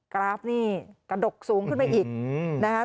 กราฟนี่กระดกสูงขึ้นไปอีกนะคะ